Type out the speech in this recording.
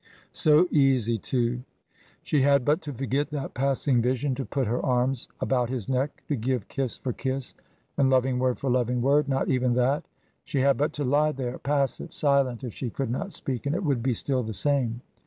So easy, too. She had but to forget that passing vision, to put her arms about his neck, to give kiss for kiss, and loving word for loving word. Not even that. She had but to lie there, passive, silent if she could not speak, and it would be still the same.